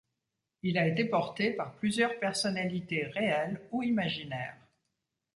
Il a été porté par plusieurs personnalités réelles ou imaginaires.